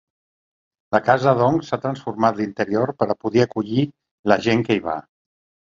La casa doncs s'ha transformat l'interior per a poder acollir la gent que hi va.